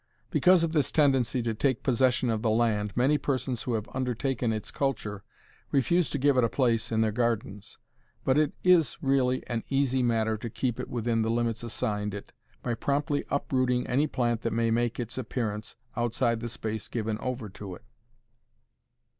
Because of this tendency to "take possession of the land" many persons who have undertaken its culture refuse to give it a place in their gardens. But it is really an easy matter to keep it within the limits assigned it by promptly uprooting any plant that may make its appearance outside the space given over to it.